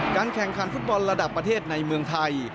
แข่งขันฟุตบอลระดับประเทศในเมืองไทย